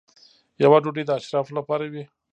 یوه ډوډۍ د اشرافو لپاره وه.